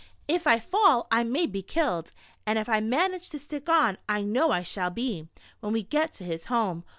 " If I fall, I may be killed, and if I manage to stick on, I know I shall be, when we get to his home.